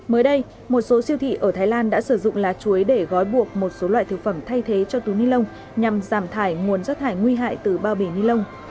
mới đây một số siêu thị ở thái lan đã sử dụng lá chuối để gói buộc một số loại thực phẩm thay thế cho túi ni lông nhằm giảm thải nguồn rác thải nguy hại từ bao bì ni lông